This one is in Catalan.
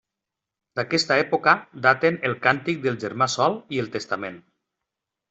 D'aquesta època daten el Càntic del germà Sol i el Testament.